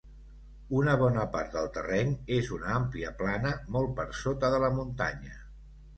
Una bona part del terreny és una àmplia plana molt per sota de la muntanya.